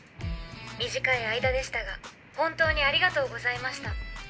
短い間でしたが本当にありがとうございました。